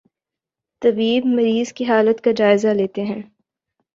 طبیب مریض کی حالت کا جائزہ لیتے ہیں